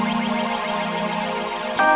sampai jumpa lagi